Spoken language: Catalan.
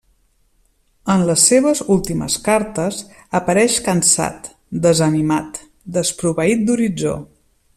En les seves últimes cartes apareix cansat, desanimat, desproveït d'horitzó.